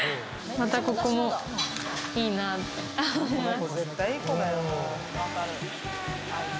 またここもいいなって思います。